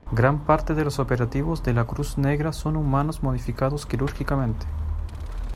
Gran parte de los operativos de la Cruz Negra son humanos modificados quirúrgicamente.